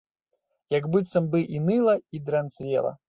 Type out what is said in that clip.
Як быццам бы і ныла, і дранцвела.